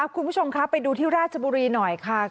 คุณผู้ชมคะไปดูที่ราชบุรีหน่อยค่ะ